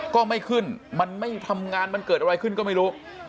ก็ไม่ขึ้นมันไม่ทำงานมันเกิดอะไรขึ้นก็ไม่รู้